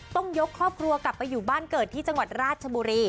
ต้องยกครอบครัวกลับไปอยู่บ้านเกิดที่จังหวัดราชบุรี